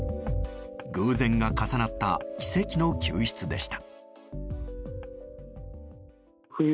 偶然が重なった奇跡の救出でした。